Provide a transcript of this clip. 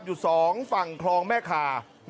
อยู่๒ฝั่งคลองแม่คา